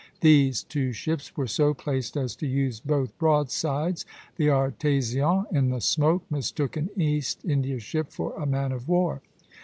These two ships were so placed as to use both broadsides. The "Artésien," in the smoke, mistook an East India ship for a man of war.